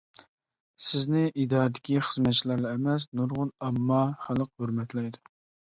سىزنى ئىدارىدىكى خىزمەتچىلەرلا ئەمەس، نۇرغۇن ئامما، خەلق ھۆرمەتلەيدۇ.